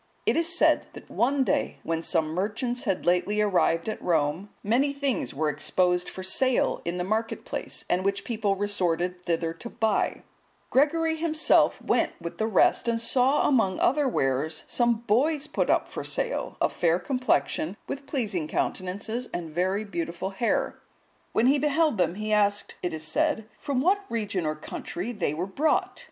It is said that one day, when some merchants had lately arrived at Rome, many things were exposed for sale in the market place, and much people resorted thither to buy: Gregory himself went with the rest, and saw among other wares some boys put up for sale, of fair complexion, with pleasing countenances, and very beautiful hair. When he beheld them, he asked, it is said, from what region or country they were brought?